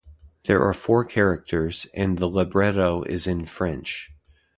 There are four characters, and the libretto is in French.